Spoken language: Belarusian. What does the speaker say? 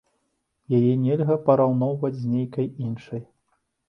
Яе нельга параўноўваць з нейкай іншай.